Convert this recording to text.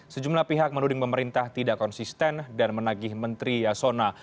sejumlah pihak menuding pemerintah tidak konsisten dan menagih menteri yasona